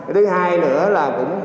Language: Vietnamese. thứ hai nữa là